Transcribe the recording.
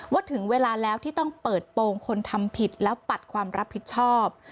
ถึงเวลาแล้วที่ต้องเปิดโปรงคนทำผิดแล้วปัดความรับผิดชอบ